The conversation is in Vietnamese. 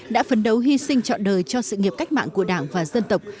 đã phấn đấu hy sinh chọn đời cho sự nghiệp cách mạng của đảng và dân tộc